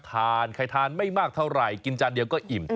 ใครทานไม่มากเท่าไหร่กินจานเดียวก็อิ่ม